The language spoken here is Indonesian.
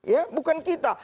ya bukan kita